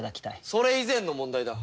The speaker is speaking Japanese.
それ以前の問題だ。